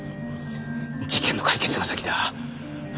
事件の解決が先だ。